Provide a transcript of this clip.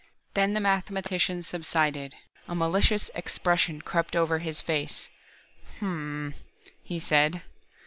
Then the mathematician subsided, a malicious expression crept over his face. "H m m," he said.